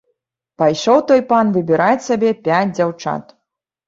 Пайшоў той пан выбіраць сабе пяць дзяўчат.